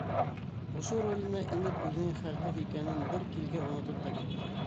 Ошо роленә инеп үҙенең хәлһеҙ икәнен бер килке онотоп та китте.